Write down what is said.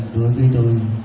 đối với tôi